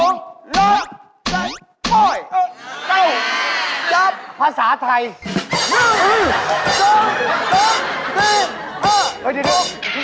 น้ำไหวไปพี่ไม่ทัน